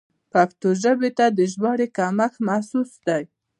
پښتو ژبې ته د ژباړې کمښت محسوس دی.